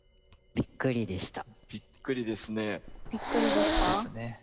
びっくりでした？ですね。